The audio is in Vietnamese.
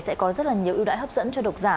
sẽ có rất là nhiều ưu đãi hấp dẫn cho độc giả